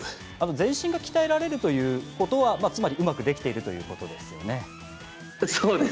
全身が鍛えられるということは、うまくできているということですね。